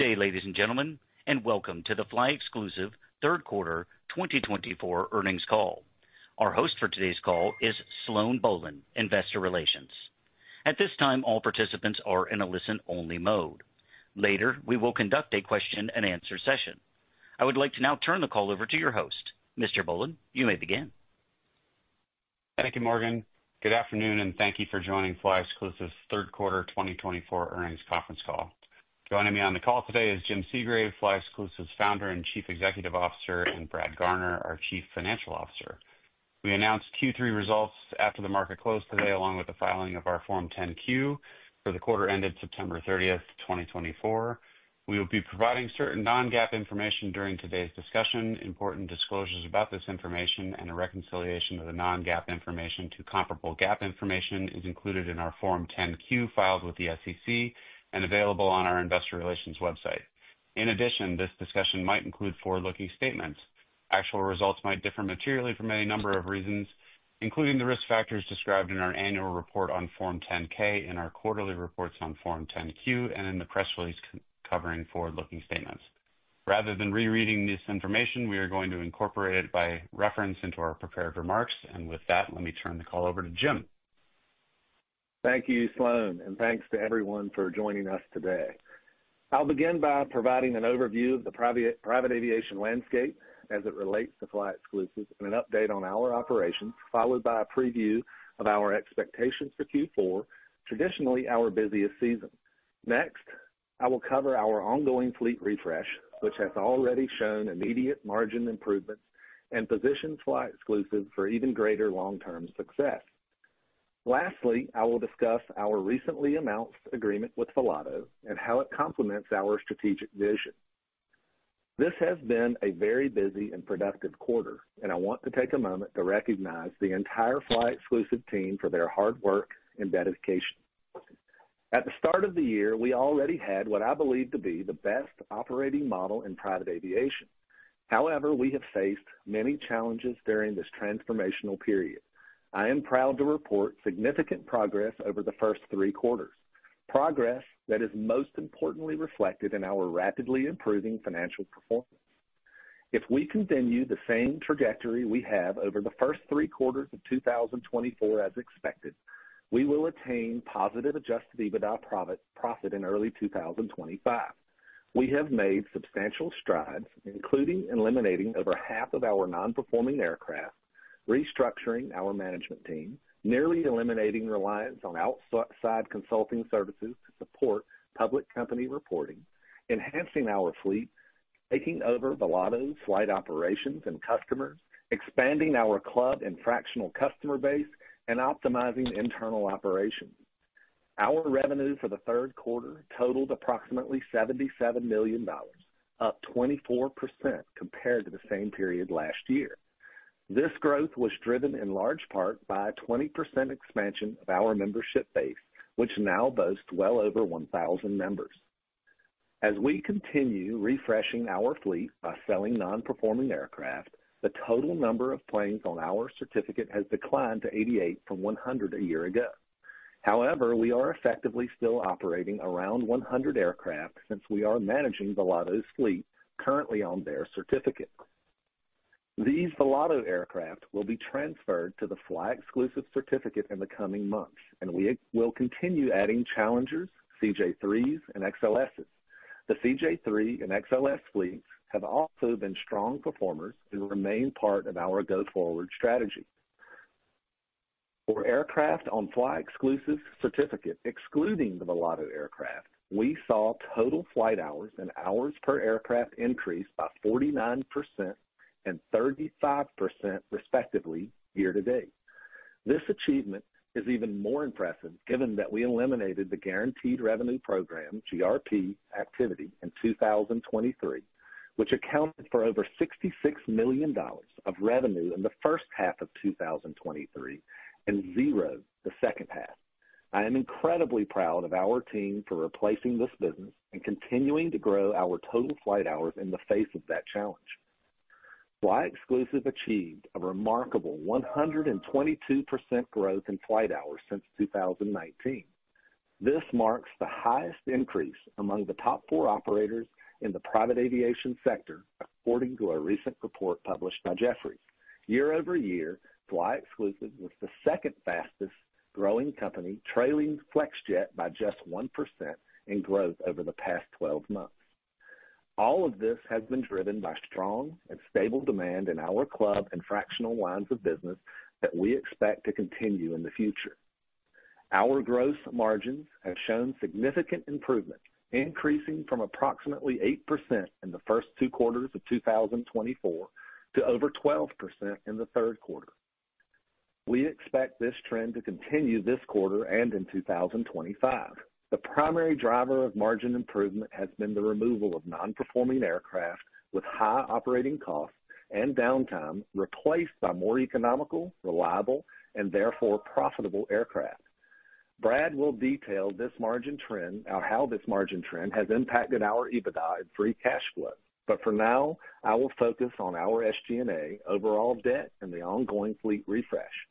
Good day, ladies and gentlemen, and welcome to the flyExclusive Third Quarter 2024 Earnings Call. Our host for today's call is Sloan Bohlen, Investor Relations. At this time, all participants are in a listen-only mode. Later, we will conduct a question-and-answer session. I would like to now turn the call over to your host, Mr. Bohlen. You may begin. Thank you, Morgan. Good afternoon, and thank you for joining flyExclusive's third quarter 2024 earnings conference call. Joining me on the call today is Jim Segrave, flyExclusive's founder and Chief Executive Officer, and Brad Garner, our Chief Financial Officer. We announced Q3 results after the market closed today, along with the filing of our Form 10-Q for the quarter ended September 30, 2024. We will be providing certain non-GAAP information during today's discussion. Important disclosures about this information and a reconciliation of the non-GAAP information to comparable GAAP information is included in our Form 10-Q filed with the SEC and available on our Investor Relations website. In addition, this discussion might include forward-looking statements. Actual results might differ materially from any number of reasons, including the risk factors described in our annual report on Form 10-K, in our quarterly reports on Form 10-Q, and in the press release covering forward-looking statements. Rather than rereading this information, we are going to incorporate it by reference into our prepared remarks. And with that, let me turn the call over to Jim. Thank you, Sloan, and thanks to everyone for joining us today. I'll begin by providing an overview of the private aviation landscape as it relates to flyExclusive and an update on our operations, followed by a preview of our expectations for Q4, traditionally our busiest season. Next, I will cover our ongoing fleet refresh, which has already shown immediate margin improvements and positions flyExclusive for even greater long-term success. Lastly, I will discuss our recently announced agreement with Volato and how it complements our strategic vision. This has been a very busy and productive quarter, and I want to take a moment to recognize the entire flyExclusive team for their hard work and dedication. At the start of the year, we already had what I believe to be the best operating model in private aviation. However, we have faced many challenges during this transformational period. I am proud to report significant progress over the first three quarters, progress that is most importantly reflected in our rapidly improving financial performance. If we continue the same trajectory we have over the first three quarters of 2024 as expected, we will attain positive Adjusted EBITDA profit in early 2025. We have made substantial strides, including eliminating over half of our non-performing aircraft, restructuring our management team, nearly eliminating reliance on outside consulting services to support public company reporting, enhancing our fleet, taking over Volato's flight operations and customers, expanding our club and fractional customer base, and optimizing internal operations. Our revenue for the third quarter totaled approximately $77 million, up 24% compared to the same period last year. This growth was driven in large part by a 20% expansion of our membership base, which now boasts well over 1,000 members. As we continue refreshing our fleet by selling non-performing aircraft, the total number of planes on our certificate has declined to 88 from 100 a year ago. However, we are effectively still operating around 100 aircraft since we are managing Volato's fleet currently on their certificate. These Volato aircraft will be transferred to the flyExclusive certificate in the coming months, and we will continue adding Challengers, CJ3s and XLSs. The CJ3 and XLS fleets have also been strong performers and remain part of our go-forward strategy. For aircraft on flyExclusive's certificate, excluding the Volato aircraft, we saw total flight hours and hours per aircraft increase by 49% and 35% respectively year to date. This achievement is even more impressive given that we eliminated the Guaranteed Revenue Program, GRP, activity in 2023, which accounted for over $66 million of revenue in the first half of 2023 and zeroed the second half. I am incredibly proud of our team for replacing this business and continuing to grow our total flight hours in the face of that challenge. FlyExclusive achieved a remarkable 122% growth in flight hours since 2019. This marks the highest increase among the top four operators in the private aviation sector, according to a recent report published by Jefferies. Year over year, FlyExclusive was the second fastest growing company, trailing Flexjet by just 1% in growth over the past 12 months. All of this has been driven by strong and stable demand in our club and fractional lines of business that we expect to continue in the future. Our gross margins have shown significant improvement, increasing from approximately 8% in the first two quarters of 2024 to over 12% in the third quarter. We expect this trend to continue this quarter and in 2025. The primary driver of margin improvement has been the removal of non-performing aircraft with high operating costs and downtime, replaced by more economical, reliable, and therefore profitable aircraft. Brad will detail this margin trend, how this margin trend has impacted our EBITDA and free cash flow, but for now, I will focus on our SG&A, overall debt, and the ongoing fleet refresh.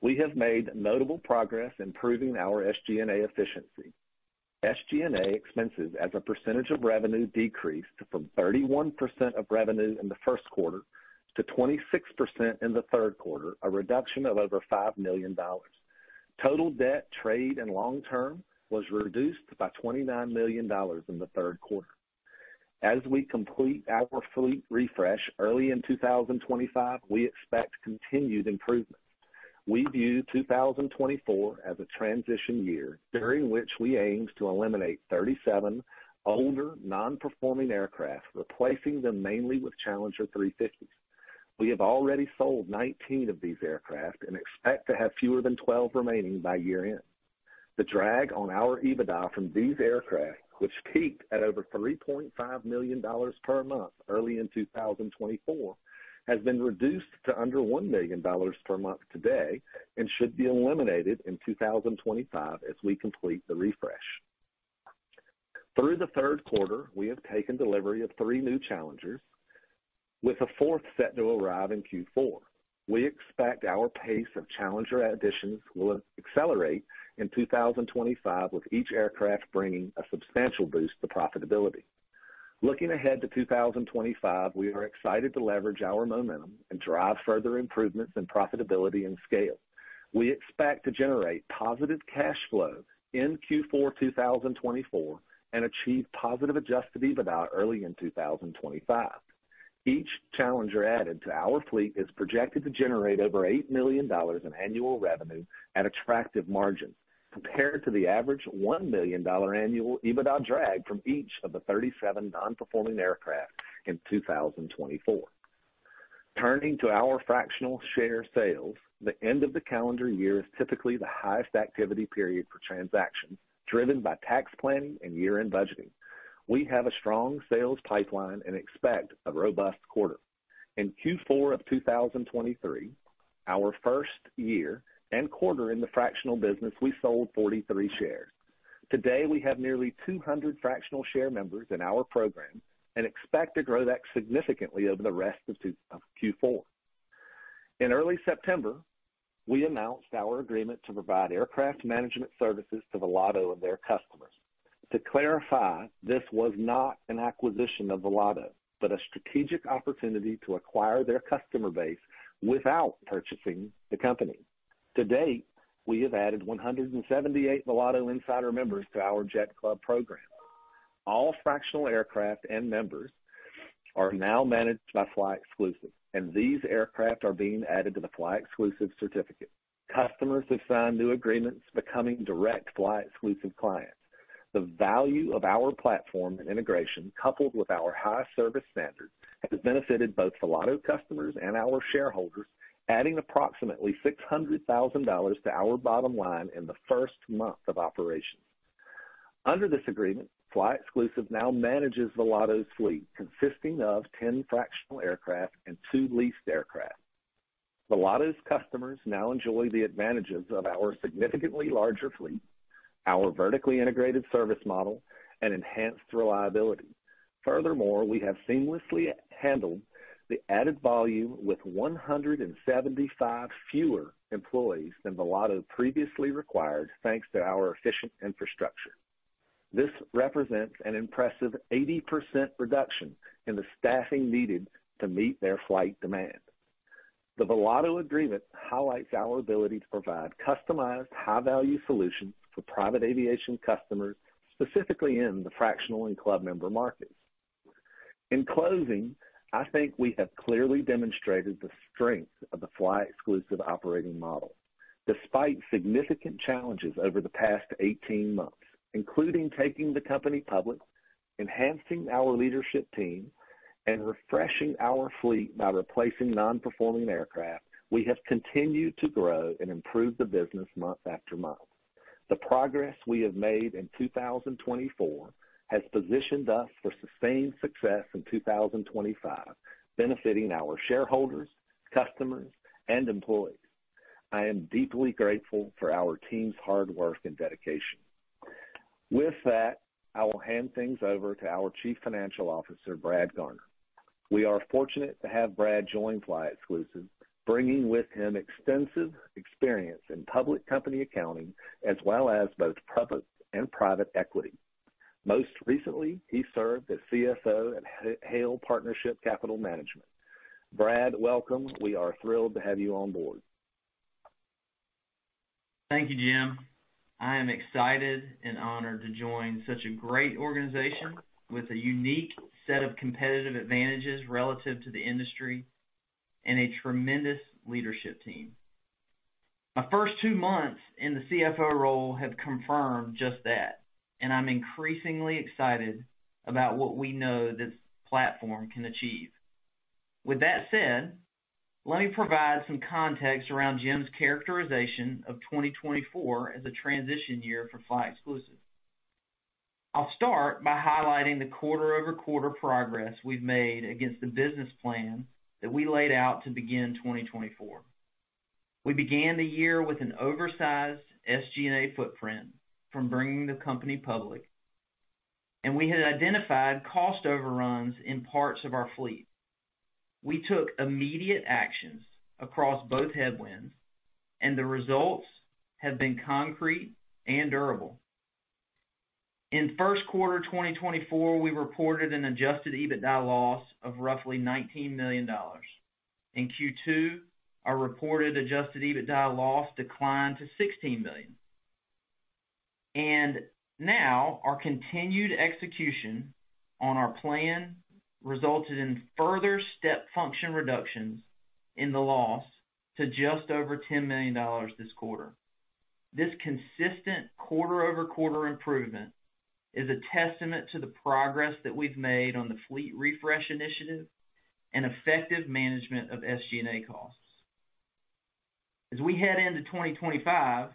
We have made notable progress in improving our SG&A efficiency. SG&A expenses as a percentage of revenue decreased from 31% of revenue in the first quarter to 26% in the third quarter, a reduction of over $5 million. Total debt, trade, and long-term was reduced by $29 million in the third quarter. As we complete our fleet refresh early in 2025, we expect continued improvements. We view 2024 as a transition year, during which we aim to eliminate 37 older non-performing aircraft, replacing them mainly with Challenger 350s. We have already sold 19 of these aircraft and expect to have fewer than 12 remaining by year-end. The drag on our EBITDA from these aircraft, which peaked at over $3.5 million per month early in 2024, has been reduced to under $1 million per month today and should be eliminated in 2025 as we complete the refresh. Through the third quarter, we have taken delivery of three new Challengers, with a fourth set to arrive in Q4. We expect our pace of Challenger additions will accelerate in 2025, with each aircraft bringing a substantial boost to profitability. Looking ahead to 2025, we are excited to leverage our momentum and drive further improvements in profitability and scale. We expect to generate positive cash flow in Q4 2024 and achieve positive Adjusted EBITDA early in 2025. Each Challenger added to our fleet is projected to generate over $8 million in annual revenue at attractive margins compared to the average $1 million annual EBITDA drag from each of the 37 non-performing aircraft in 2024. Turning to our fractional share sales, the end of the calendar year is typically the highest activity period for transactions, driven by tax planning and year-end budgeting. We have a strong sales pipeline and expect a robust quarter. In Q4 of 2023, our first year and quarter in the fractional business, we sold 43 shares. Today, we have nearly 200 fractional share members in our program and expect to grow that significantly over the rest of Q4. In early September, we announced our agreement to provide aircraft management services to Volato and their customers. To clarify, this was not an acquisition of Volato, but a strategic opportunity to acquire their customer base without purchasing the company. To date, we have added 178 Volato Insider members to our Jet Club program. All fractional aircraft and members are now managed by flyExclusive, and these aircraft are being added to the flyExclusive certificate. Customers have signed new agreements, becoming direct flyExclusive clients. The value of our platform and integration, coupled with our high service standards, has benefited both Volato customers and our shareholders, adding approximately $600,000 to our bottom line in the first month of operations. Under this agreement, flyExclusive now manages Volato's fleet, consisting of 10 fractional aircraft and two leased aircraft. Volato's customers now enjoy the advantages of our significantly larger fleet, our vertically integrated service model, and enhanced reliability. Furthermore, we have seamlessly handled the added volume with 175 fewer employees than Volato previously required, thanks to our efficient infrastructure. This represents an impressive 80% reduction in the staffing needed to meet their flight demand. The Volato agreement highlights our ability to provide customized, high-value solutions for private aviation customers, specifically in the fractional and club member markets. In closing, I think we have clearly demonstrated the strength of the flyExclusive operating model, despite significant challenges over the past 18 months, including taking the company public, enhancing our leadership team, and refreshing our fleet by replacing non-performing aircraft. We have continued to grow and improve the business month after month. The progress we have made in 2024 has positioned us for sustained success in 2025, benefiting our shareholders, customers, and employees. I am deeply grateful for our team's hard work and dedication. With that, I will hand things over to our Chief Financial Officer, Brad Garner. We are fortunate to have Brad join flyExclusive, bringing with him extensive experience in public company accounting, as well as both public and private equity. Most recently, he served as CFO at Hale Partnership Capital Management. Brad, welcome. We are thrilled to have you on board. Thank you, Jim. I am excited and honored to join such a great organization with a unique set of competitive advantages relative to the industry and a tremendous leadership team. My first two months in the CFO role have confirmed just that, and I'm increasingly excited about what we know this platform can achieve. With that said, let me provide some context around Jim's characterization of 2024 as a transition year for flyExclusive. I'll start by highlighting the quarter-over-quarter progress we've made against the business plan that we laid out to begin 2024. We began the year with an oversized SG&A footprint from bringing the company public, and we had identified cost overruns in parts of our fleet. We took immediate actions across both headwinds, and the results have been concrete and durable. In first quarter 2024, we reported an Adjusted EBITDA loss of roughly $19 million. In Q2, our reported Adjusted EBITDA loss declined to $16 million, and now, our continued execution on our plan resulted in further step function reductions in the loss to just over $10 million this quarter. This consistent quarter-over-quarter improvement is a testament to the progress that we've made on the fleet refresh initiative and effective management of SG&A costs. As we head into 2025,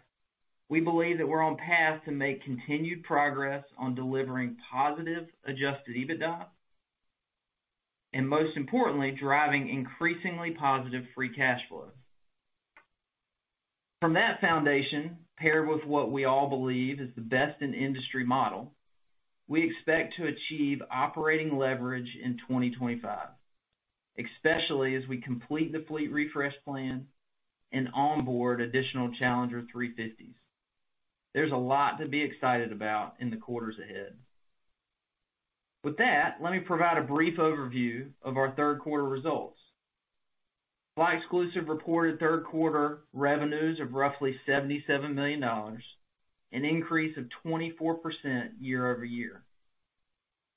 we believe that we're on path to make continued progress on delivering positive Adjusted EBITDA and, most importantly, driving increasingly positive free cash flow. From that foundation, paired with what we all believe is the best in industry model, we expect to achieve operating leverage in 2025, especially as we complete the fleet refresh plan and onboard additional Challenger 350s. There's a lot to be excited about in the quarters ahead. With that, let me provide a brief overview of our third quarter results. FlyExclusive reported third quarter revenues of roughly $77 million, an increase of 24% year over year.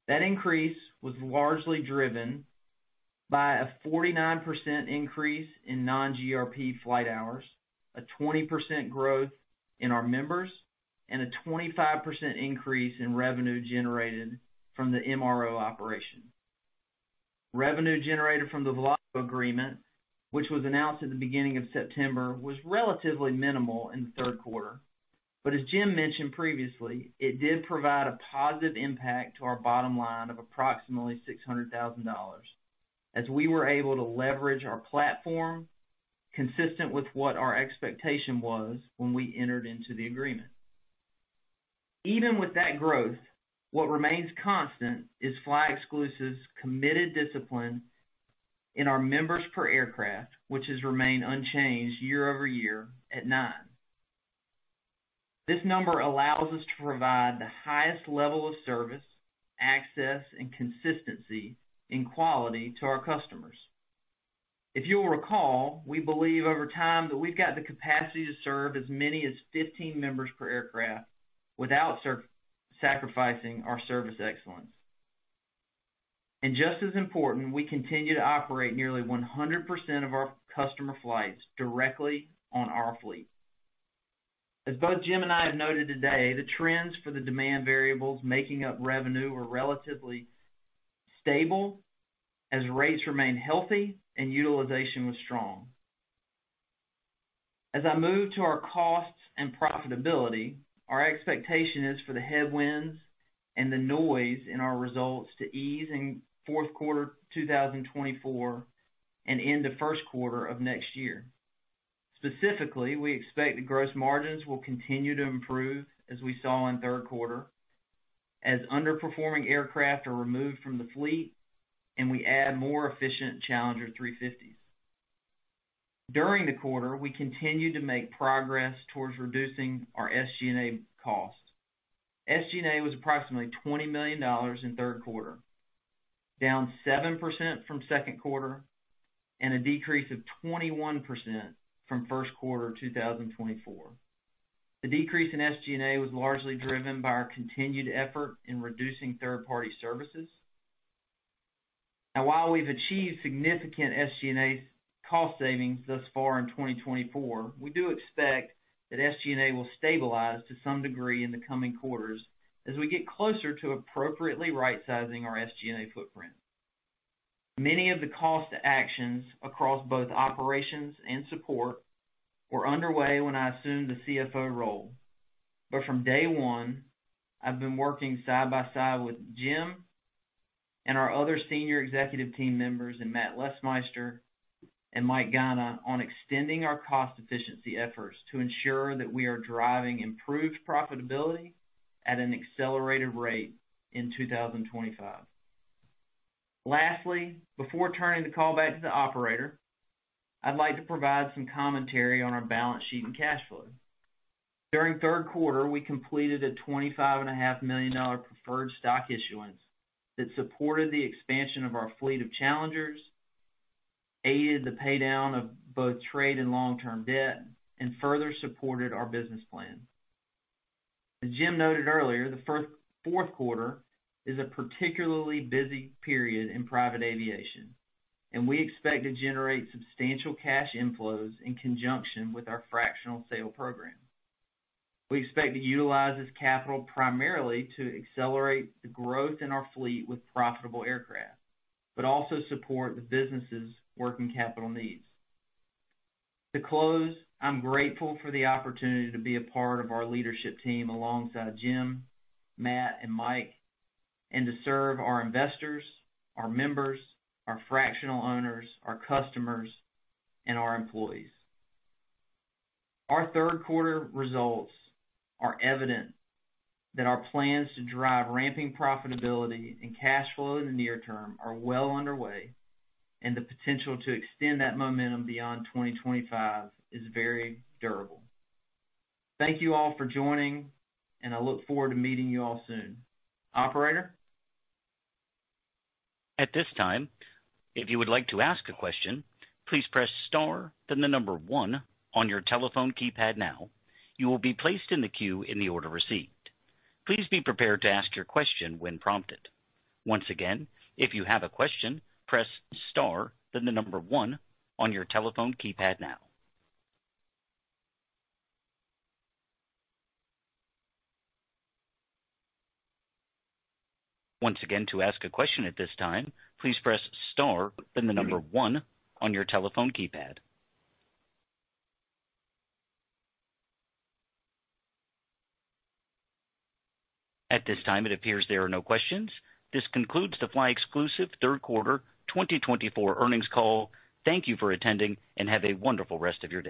That increase was largely driven by a 49% increase in non-GRP flight hours, a 20% growth in our members, and a 25% increase in revenue generated from the MRO operation. Revenue generated from the Volato agreement, which was announced at the beginning of September, was relatively minimal in the third quarter. But as Jim mentioned previously, it did provide a positive impact to our bottom line of approximately $600,000, as we were able to leverage our platform consistent with what our expectation was when we entered into the agreement. Even with that growth, what remains constant is flyExclusive's committed discipline in our members per aircraft, which has remained unchanged year over year at nine. This number allows us to provide the highest level of service, access, and consistency in quality to our customers. If you'll recall, we believe over time that we've got the capacity to serve as many as 15 members per aircraft without sacrificing our service excellence. And just as important, we continue to operate nearly 100% of our customer flights directly on our fleet. As both Jim and I have noted today, the trends for the demand variables making up revenue were relatively stable as rates remained healthy and utilization was strong. As I move to our costs and profitability, our expectation is for the headwinds and the noise in our results to ease in fourth quarter 2024 and into first quarter of next year. Specifically, we expect the gross margins will continue to improve as we saw in third quarter as underperforming aircraft are removed from the fleet and we add more efficient Challenger 350s. During the quarter, we continue to make progress towards reducing our SG&A costs. SG&A was approximately $20 million in third quarter, down 7% from second quarter and a decrease of 21% from first quarter 2024. The decrease in SG&A was largely driven by our continued effort in reducing third-party services. Now, while we've achieved significant SG&A cost savings thus far in 2024, we do expect that SG&A will stabilize to some degree in the coming quarters as we get closer to appropriately right-sizing our SG&A footprint. Many of the cost actions across both operations and support were underway when I assumed the CFO role, but from day one, I've been working side by side with Jim and our other senior executive team members and Matt Lesmeister and Mike Guina on extending our cost efficiency efforts to ensure that we are driving improved profitability at an accelerated rate in 2025. Lastly, before turning the call back to the operator, I'd like to provide some commentary on our balance sheet and cash flow. During third quarter, we completed a $25.5 million preferred stock issuance that supported the expansion of our fleet of Challengers, aided the paydown of both trade and long-term debt, and further supported our business plan. As Jim noted earlier, the fourth quarter is a particularly busy period in private aviation, and we expect to generate substantial cash inflows in conjunction with our fractional sale program. We expect to utilize this capital primarily to accelerate the growth in our fleet with profitable aircraft, but also support the business's working capital needs. To close, I'm grateful for the opportunity to be a part of our leadership team alongside Jim, Matt, and Mike, and to serve our investors, our members, our fractional owners, our customers, and our employees. Our third quarter results are evident that our plans to drive ramping profitability and cash flow in the near term are well underway, and the potential to extend that momentum beyond 2025 is very durable. Thank you all for joining, and I look forward to meeting you all soon. Operator. At this time, if you would like to ask a question, please press star, then the number one on your telephone keypad now. You will be placed in the queue in the order received. Please be prepared to ask your question when prompted. Once again, if you have a question, press star, then the number one on your telephone keypad now. Once again, to ask a question at this time, please press star, then the number one on your telephone keypad. At this time, it appears there are no questions. This concludes the flyExclusive Third Quarter 2024 Earnings Call. Thank you for attending, and have a wonderful rest of your day.